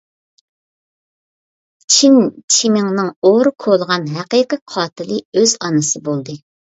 چىن چىمىڭنىڭ ئورا كولىغان ھەقىقىي قاتىلى—— ئۆز ئانىسى بولدى.